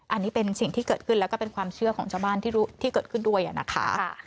อันนี้เป็นสิ่งที่เกิดขึ้นแล้วก็เป็นความเชื่อของชาวบ้านที่เกิดขึ้นด้วยนะคะ